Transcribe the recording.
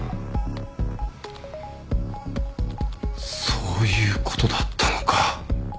そういうことだったのか。